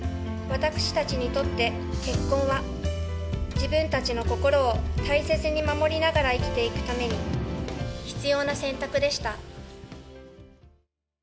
私たちにとって結婚は、自分たちの心を大切に守りながら生きていくために、必要な選択でした。